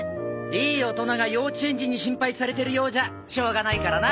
いい大人が幼稚園児に心配されてるようじゃしょうがないからな。